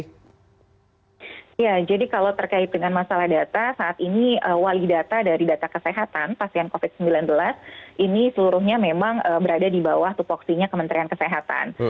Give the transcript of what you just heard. ya jadi kalau terkait dengan masalah data saat ini wali data dari data kesehatan pasien covid sembilan belas ini seluruhnya memang berada di bawah tupoksinya kementerian kesehatan